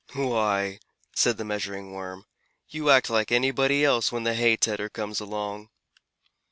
"Why," said the Measuring Worm, "you act like anybody else when the hay tedder comes along!"